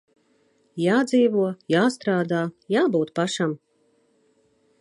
Jādzīvo, jāstrādā, jābūt pašam.